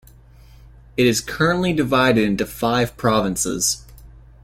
It is currently divided into five provinces.